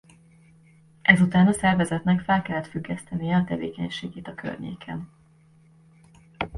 Ezután a szervezetnek fel kellett függesztenie a tevékenységét a környéken.